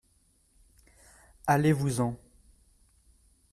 Allez-vous-en.